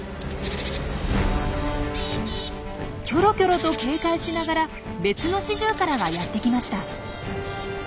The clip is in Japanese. キョロキョロと警戒しながら別のシジュウカラがやってきました。